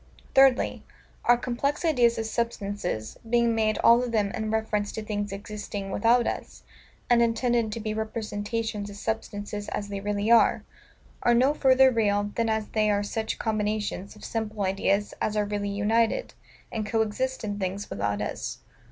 Thirdly, Our complex ideas of SUBSTANCES, being made all of them in reference to things existing without us, and intended to be representations of substances as they really are, are no further real than as they are such combinations of simple ideas as are really united, and co exist in things without us.